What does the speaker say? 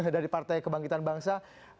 dari partai kebangkitan bangsa